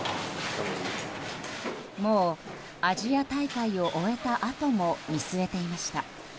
もうアジア大会を終えたあとも見据えていました。